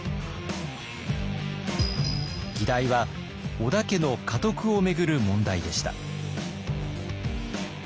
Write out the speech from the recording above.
議題は織田家の家督を巡る問題でした。